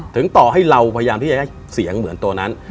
ต่อให้เราพยายามที่จะให้เสียงเหมือนตัวนั้น